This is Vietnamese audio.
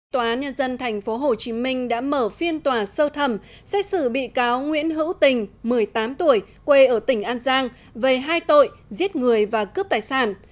tòa nhân dân tp hcm đã mở phiên tòa sâu thẩm xét xử bị cáo nguyễn hữu tình một mươi tám tuổi quê ở tỉnh an giang về hai tội giết người và cướp tài sản